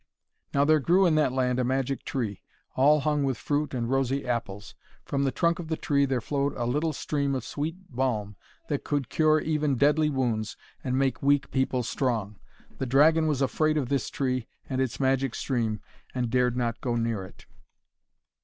Now there grew in that land a magic tree, all hung with fruit and rosy apples. From the trunk of the tree there flowed a little stream of sweet balm that could cure even deadly wounds and make weak people strong. The dragon was afraid of this tree and its magic stream, and dared not go near it.